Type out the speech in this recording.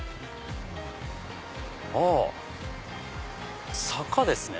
あ坂ですね！